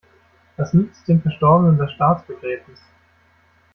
Was nützt dem Verstorbenen das Staatsbegräbnis?